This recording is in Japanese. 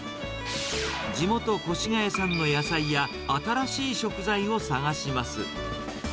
地元、越谷産の野菜や新しい食材を探します。